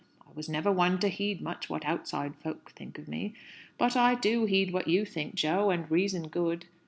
I was never one to heed much what outside folks think of me; but I do heed what you think, Jo, and reason good.